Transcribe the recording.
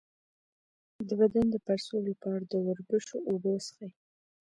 د بدن د پړسوب لپاره د وربشو اوبه وڅښئ